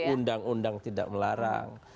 undang undang tidak melarang